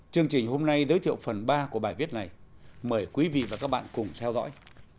chương trình hôm nay giới thiệu phần ba của bài viết này mời quý vị và các bạn cùng theo dõi